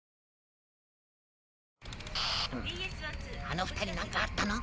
あの２人なんかあったの？